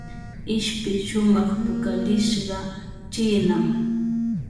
Ishpi shumaq pukallishqa chiinam.